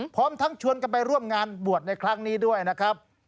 พร้อมทั้งชวนกันไปร่วมงานบวชในครั้งนี้ด้วยนะครับ